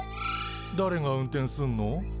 だれが運転すんの？